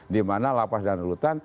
dimana lapah dan lutan